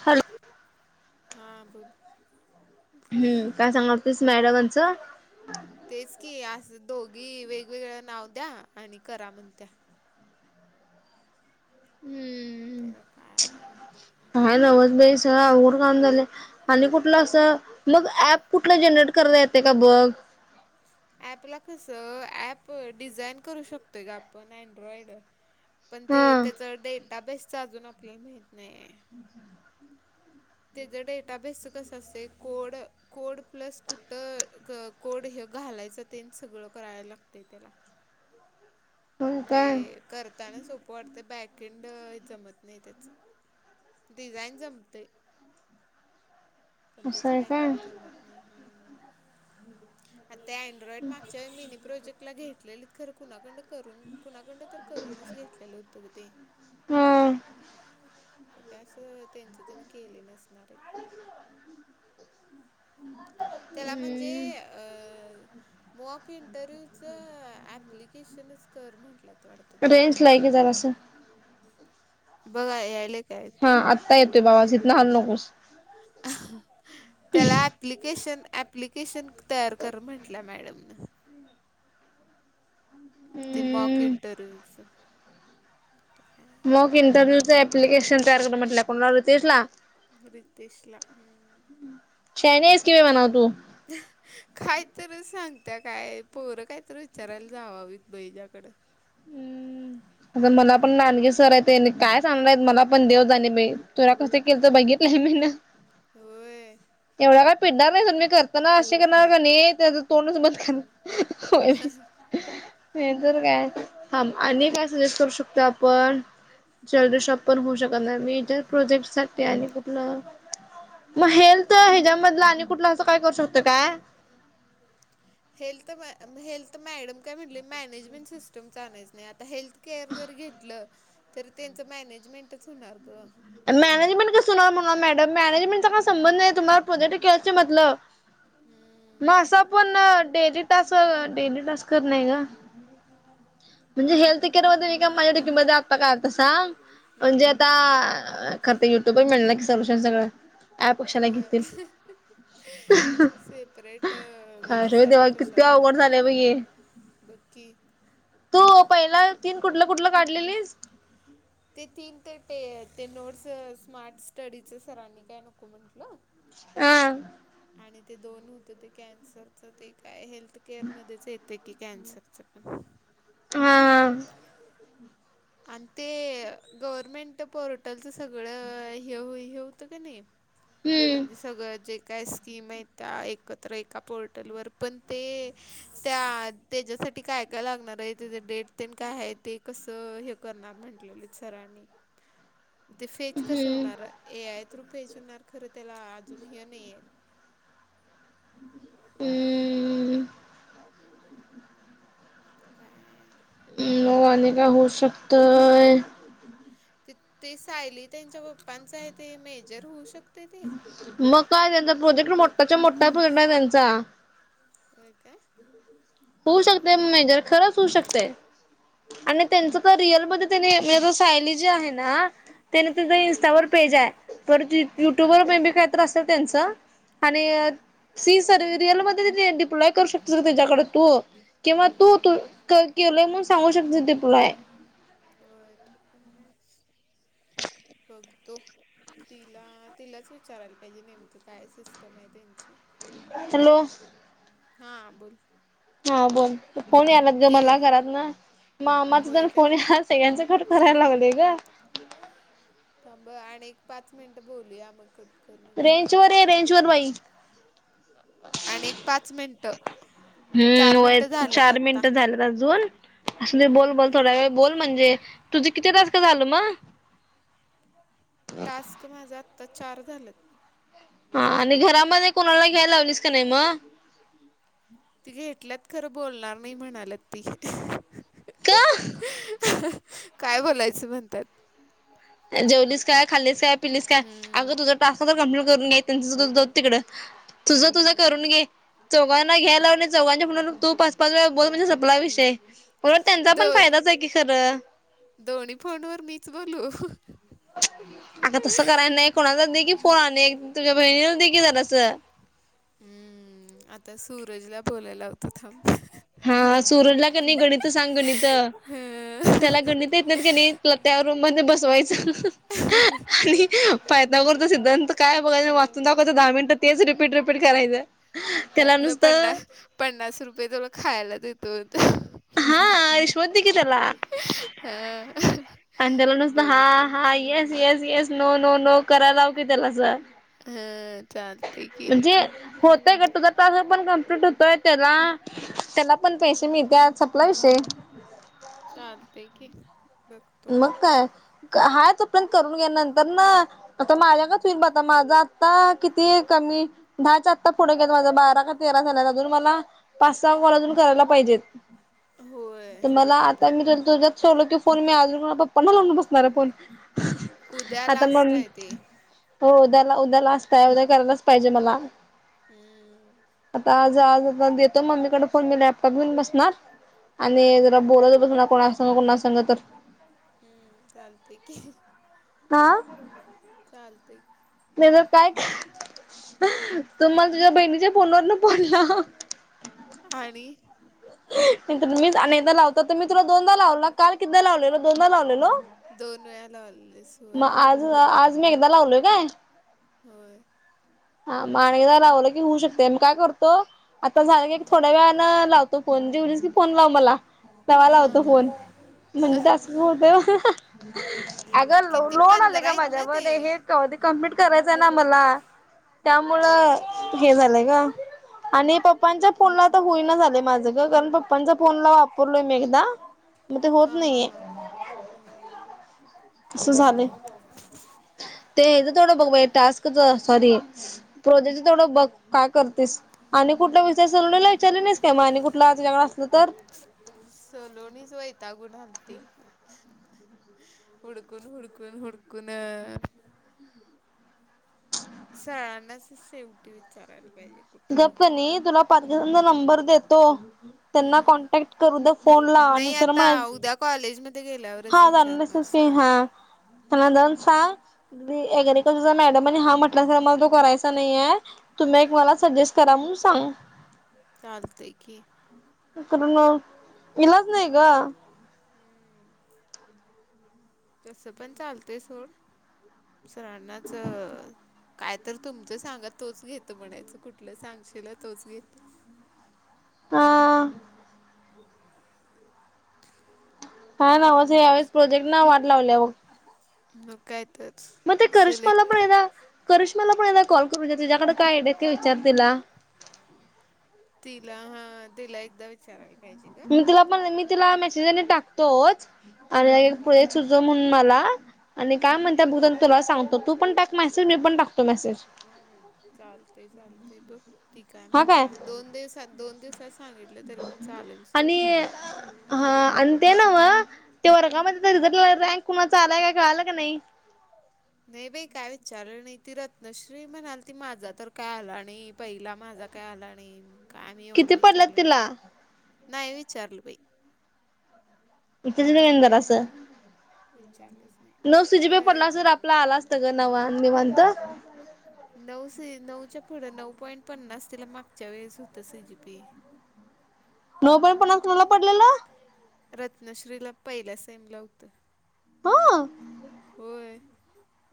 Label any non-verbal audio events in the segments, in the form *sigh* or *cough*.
Hello हां बोल हम् काय सांगालतीस मॅडमांचं? तेच की असं दोघी वेगवेगळ नाव द्या आणि करा म्हणत्या हम्म तेैर काय काय नव्हच बाई सगळ अवघड काम झालयं आणि कुठलं असं, मग ऍप कुठलं जनरेट करता येतयं का बघ? ऍपला कसं, ऍप डिझाईन करू शकतोय गं आपण अँड्रॉइड पण ते हा त्येच डेटाबेसच अजून आपल्याला माहित नाहीयं *unintelligible* त्येज डेटाबेस कसं असतयं कोड कोड प्लस कुठं कोड हे घालायचं तेन सगळं करायला लागतयं त्येला होय ते काय करताना सोपं वाटतंयं बॅक एन्ड जमत नाही त्येच डिझाईन जमतयं, पण असं त्येच आहे काय बॅकेएन्ड जमत हम्मं आत ते अँड्रॉइड मागच्या मिनी प्रोजेक्ट तेला, घेतलेली खरं कुणाकडंन करून कुणाकडंन तर करूनच घेतलेलं हुतं गं ते हा ते काय असं त्येच त्यांनी केलेल नसणार आहेत. त्याला म्हणजे हम्म अ मुवा इंटरव्हयूच ऍप्लिकेशनच कर म्हटल्यात वाटतं त्याला रेंजला ये की जरा जरासं बघ यायले? काय हा, ऐकू आत्ता येतोय आवाज हिथंन हलू नकोस. त्येला अँपप्लिकेशन, अँपप्लिकेशन तयार कर म्हंटलीया मॅडमनं ते मुवाक हम्म इंटरव्यूच मुवाक इंटरन्यूचं अप्लिकेशन तयार कर म्हटंल्या, कुणाला रितेशला? रितेशला हम्मं शानी आहेस की म्हणावं तू *unintelligible* कायतर सांगत्या काय पोरं कायतर विचारायला जाववीत बाई हिचाकडं हम्म, आता मना पण नानगे सर आहेत ते काय सांगणार आहेत, मना पण देव जाणे बाई. तुरा कसं केलंत हम्म बघितलंय मीन होय एवढ्या काय पिडणार नाही सोड, तर मी करताना अशी करणार कणी त्येजच तोंडच बंद हम्म. करणार, होय नाही तर काय. थांब आणि काय सजेस्ट करू शकतोय आपण जलदी शॉप पण होऊ शकत नाही, मेजर प्रोजेक्टसाठी आणि खुठलं? मग हेल्थ हेज्यामधलं आणि कुठलं असं काय करू शकतोय काय? *unintelligible* हेल्थ, म हेल्थ मॅडम काय म्हटली मॅनेजमेंट सिस्टमच आणायचं नाही, आता हेल्थ केअर जर घेतलं, तर त्येच मॅनेजमेंटच हुणार गं मॅनेजमेंट कस हुणार म्हग, मॅडम, मॅनेजमेंटचा काय संबंध नाही, तुम्हाला प्रोजेक्ट केल्याच मतलब. म हम्म असं आपण डेली तास, डेली टास्क खरं नाही ग. म्हणजे हेल्थकेअर मध्ये त्येनी माझ्या डीपी मध्ये आता का आलाता सांग म्हणजे हम्म आता ख तर युट्यूबर मिळलं की सलूशन सगळं? ऍप कशाला घेतील होय सेपरेट खरं वेबसाइट देवा किती कशाला अवघड हे झालंय बघ करतील. बघ की तू पहिला तीन कुठलं कुठलं काढलेलीस? ते तीन ते ते नोट्स स्मार्ट स्टडीच सरांनी काय नको म्हंटलं. हा आणि ते दोन होत ते कॅन्सरच ते काय हेल्थकअर मध्येच ते काय कन्सरचं हा आणि ते गव्हर्मेंट पोर्टलच सगळं हे हे होतं का नाही. हम् म्हणजे सगळं जे काय स्कीम आहेत त्या एकत्र एका पोर्टलवर पण ते त्या त्याच्यासाठी काय काय लागणार आहे? त्या डेट ते काय आहे? ते कसं हे करणार म्हंटलेले सरांनी. ते फेच कसं हम्म होणार, ए आय थ्रू फेच होणार खरं त्याला अजून हे नाहीये. हम आता काय? नो आले का आणि काय होऊ शकतंय. ते सायली त्यांच्या पप्पांच आहे, ते मेजर होऊ शकत. मग काय! त्यांचा प्रोजेक्ट मोठाचा मोठा प्रोजेक्ट आहे त्यांचा. होय काय? शकते मेजर खरंच शकते आणि त्यांच तर रिअल मध्ये ते मझ सायली जी आहे ना. ते नाही का तुझं हम्म इंस्टावर पेज आहे तर हा युट्यूब हा वर पेबी कायत असतल त्यांच आणि हम्म सी सर रियल मध्ये डिप्लॉय करू शकतेस त्याच्याकडे तू किंवा तूू हम्म केलंय म्हून सांगू शकते ते तुला होय, ते पण मी बघतो. ते तिला तिलाच विचारायला पाहिजे. नेमकं काय सिस्टम आहे त्यांची? हॅलो! हा बोल! हा फोन यालात ग ते घरात ना म मामाचा होय जण काय फोन याला. सगळ्यांचं खर करायला लागलेय ग. थांब आणि एक पाच मिनिटं बोलूया मग आपण. रेंज वर आहे. रेंज वर बाई. आणि एक पाच मिनिटं. चार हम्, वय मिनिटं झाल्यात चार आत्ता मिनिट झालेत अजून, असूदे बोल हम्म बोल. थोड्या वेळ बोल म्हणजे, तुझं किती टास्क का झालं मग? टास्क माझं आत्ता चार झालेत. हा आणि घरामध्ये कोणाला घ्यायला लावलीस का नाही मग? ति घेतल्यात खरं बोलणार नाही म्हणालात ती. का? काय बोलायचं म्हणत्यात? जेवलीस काय, खाल्लीच काय पिलीस काय, हम्म, अगं तुझं टास्क तर कंप्लिट करून घे त्यांच जाऊदे तिकडं. तुझं तुझं करून हम्म, घे, चोघांना घ्यायला हम्म. लावलेत. चौघां म्हणून तू पाच पाच वेळा बोल म्हणजे संप्लाय विषय, उलट त्यांचा पण दोन फायदाच आहे की खरं. दोन्ही फोन वर मीच बोलू. अग तसं करायच नाही, कोणाचा दे की फोन, आ तुझ्या बहिणीला दे की जरास. हम्म, आता सूरजला बोलायला लावतो थांब. हा, सुरजला क नाही गणित सांग गणित अं, त्, याला गणित, गणीतात एत नाहीत क नाही त्याला त्या रूम मध्ये बसवायचं आणि पायथागोरसचा सिद्धांत काय बघायच वाचून दाखवायचं. दहा मिनट तेच रिपीट रिपीट करायचं. त्याला त्यातलं पन्ना, नुसतं पन्नास रुपये तुला खायला देतो. हा, रीशवत दिकी तेला. हां. आणि तेला नुसतं हा बघतो हा येस हम्म. Yes yes. No no no करायला लाव क त्याला जरासं. हां, चालतंय की हां, म्हणजे होतय गं का तुझं पण कमप्लीट होतोय, त्याला त्याला पण पैसे मिळतात, सपला विषय. चालतय की, मग काय, हाय तोपर्यंत करून घ्या नंतर ना, आता माझ्यागत विन बघ आता माझा आता किती कमी, दहाच्या आत्ता पुढे गेला माझं बारा का तेरा झाल्या अजून मला, पाच सहा कॉल अजून करायला पाहिजेत. होय तर मला, आता मी तुजा ठेवलो की फोन मोजून पप्पा ना लावून बसणार आहे फोन. उद्या आता लास्ट आहे ते मम्मीऽ हो उद्याला, उद्याला असताय उद्या करायलाच पाहिजे मला. हम्म. आज आज देतो मम्मीकडे फोन, मी लॅपटॉप घेऊन बसणार, आणि हम्म जरा बोलत बस मननार कोणा संग कोणा संग तर. हम्म, चालतय की. हां. चालतय. नाही तर काय, तू मला तुझ्या बहिणीच्या फोनवरन फोन लाव. आणि नाहीतर मीच अनेकदा लावतो, तर मी तुला दोनदा लावलो काल कितीदा लावलेलो दोनदा लावलेलो. दोन वेळा लावलेलीस. होय मग आज, आज मी एकदा लावलोय काय. होय. हा मग आणि एकदा लावलं की होऊ शकतेय, मी काय करतो, आता झालं की एक थोड्या वेळात. न लावतो फोन, जेवलीस की. फोन लाव मला, तवा लावतो फोन म्हणजे तस होतय. अग लोन किती लोड पंधरा आले आहेत माझ्या ना ते मध्ये आधी कंप्लीट हम्म करायचंय ना मला. त्यामुळं होय हे झालंय ग. आणि पप्पांच्या फोनला तर बोलन झाले माझं ग कारण पप्पांच्या फोनला, करलोय मी एकदा मग ते होत हा हा नाहीये. हा हम्म *inaudible* अस झालंय ते हेज तेवढं बघ टास्क सॉरी. प्रोजेक्ट थोडं बघ काय करतेस. आणि कुठला विचय सलवडयला विचारले नाहीस काय मग आणि कुठलं आच्या असलं तर. सलोणीच वैतागून गेलती. हूडकून हुडकून हुडकून सहण्यासच शेवटी विचारायला पाहिजे. कुठलं गप घेऊ कनी म्हणून तुला *unintelligible* नंबर देतो त्यांना हम्म कॉन्टॅक्ट करू द फोनला आणि नाही सर आता म्हणा उद्या कॉलेजमध्ये गेल्यावरच हा विचारणार *unintelligible* की हा सरांना त्यांना जाऊन सांग हम्म एग्रिकल्चरचा मॅडम आणि हा म्हटला सर मला तो करायचा नाहीेये तुम्ही एक मला हम्म सजेस्ट करा म्हणून सांग. चालतंय की, करून मग इलाज नाही ग. हम्म तसं पण चालतय सोड सरांनाच काय तर तुमचं सांगा तोच घेतो म्हणायचं कुठलं सांगशील तोच घेतो. हा *unintelligible* हा ना काय अस यावेळेस नव्हच बाई प्रोजेक्टला वाट लावल्या बग. मग काय तर मग ते करिश्माला पण सिलेक्ट एकदा करिश्माला पण एकदा कॉल म्हणजे तीझ्याकडे काय आयडिया आहेत का ते विचारला तीला. तिला हा तिला एकदा विचारायला पाहिजे ग मी तिला पण मी फोन तिला करून मेसेज आणि टाकतोच आणि हम्म पुढे त सुचव म्हणून मला आणि काय हम्म म्हणत्या बघतो आणि तुला सांगतो तू पण टाक मेसेज मी पण टाक चालतय चालतय बघ ती काय म्हणत्या दोन दिवसात दोन दिवसात सांगितलं तरी पण चालेल सोड आणि हा आणि ते नव ते हम्म वर्गामध्ये रिझल्ट ब बँक कुणाचा आलाय काय कळाल काय नाही? नाही बाई काय विचारलं नाही ती रत्नश्री म्हणालती माझा तर काय आला नाही. पहिला माझा काय आला नाही. काय मी एवढं किती पडल्यात विचारलं नाही तिला? बाई नाही विचारल बाई. विचारायचं जरासं काय विचारलंस नऊ सजिप पडला असता तर आपला आला असतं ग नवा नीवात. नऊ नऊच्या पुढं नऊ पॉईंट पन्नास तिला मागच्या वेळेस होतं सी जी पी. *inaudible* नऊ पॉईंट पन्नास कोणाला पडलेल? रत्नश्रीला पहिला सेमला होत, हा होय.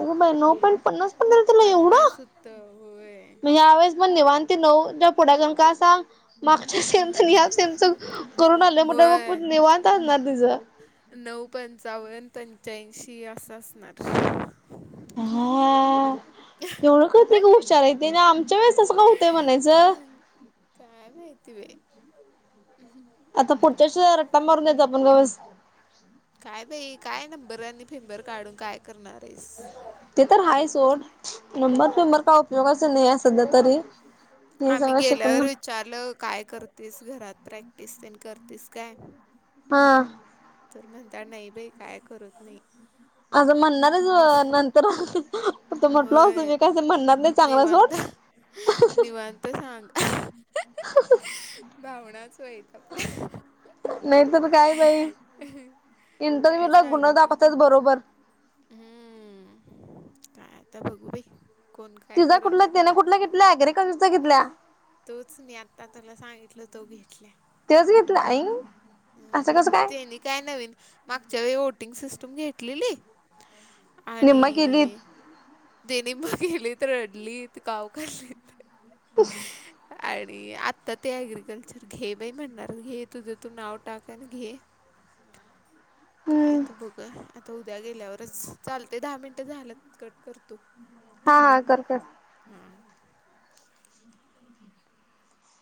अगं बाई नऊ पॉईंट पन्नास पडलेल तिला एवढं पन्नास होतं होय मग यावेळेस पण निवां ते नऊ च्या पुढे जाईन का सांग मागच्या सेमच आणि या सेमच करून आल्या म्हणटल्यावर होय मग निवांत असणार तिझं. नऊ पंचावन्न, पंच्याऐंशी असं असणार. हा तेवढं कळतय ग हुशार आहे ती आणि आमच्या वेळेस असं का होतंय म्हणायचं. काय माहिती बाई. *unintelligible* आता पुढच्या वर्षी रट्टा मारून दयचा आपण गप बस. काय बाई काय नंबर आणि फेंबर काढून काय करणार आहेस. ते तर हायच सोड नंबर पेंबर हम्म. काय उपयोगाच नाही आहे सध्या तरी ते सगळ शिकून ना च्याल काय करतेस? घरात प्रॅक्टिस तेन करतेस काय? हा. तर म्हणता, नाही बाई, काय करत नाही. असं म्हणणारच, नुस अ नंतर आता म्हटल असतो होय मी, का आता म्हणणार नाही चांगला. सोड निवांत निवांत सांग. भावनाच वाईट. *inaudible* नाही तर काय बाई! काय इंटरव्ह्यूला गुन सांगितलं दाखवतात मग ते. बरोबर हम्म, काय आता बघू बाई. कोण काय तिझा करल कुठला? ते तीने करल कुठल घेतल्या? अग्रिकल्चरचा घेतल्या. तोच, मी आता तुला सांगितलं तो घेतल्या तोच घेतला? आयीग! हम्म, तेनी काय नवीन मागच्या वेळी वोटिंग सिस्टम घेतलेली निम्मा केलीत आणि *unintelligible* *inaudible* *inaudible* *unintelligible* आत्ता ते ॲग्रिकल्चर घे बाई! म्हणणार घे तुझं तू नाव टाक आणि घे. *inaudible* काय हम्म आता बघूया आता त उद्या गेल्यावरच, चालतय दहा मिनटं झालंत कट करतो. हा हा, कर कर. हां.